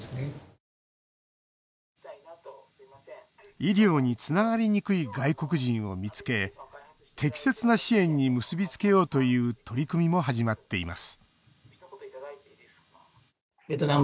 医療につながりにくい外国人を見つけ適切な支援に結び付けようという取り組みも始まっています